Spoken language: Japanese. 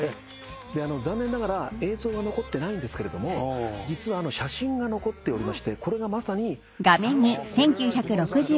残念ながら映像が残ってないんですけれども実は写真が残っておりましてこれがまさに最初の『ＭＵＳＩＣＦＡＩＲ』に。